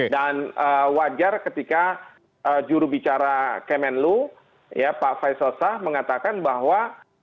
dan wajar ketika jurubicara kemenlu pak faisal shah mengatakan bahwa